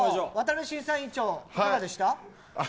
審査員長いかがでしたか。